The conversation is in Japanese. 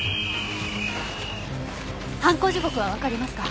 犯行時刻はわかりますか？